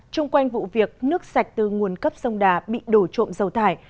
trung quanh vụ việc nước sạch từ nguồn cấp sông đà bị đổ trộm dầu thải